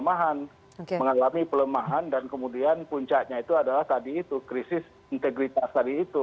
mengalami pelemahan dan kemudian puncaknya itu adalah tadi itu krisis integritas tadi itu